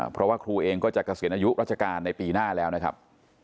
เพราะว่าครูเองก็จะเกษียณอายุราชการในปีหน้าแล้วนะครับ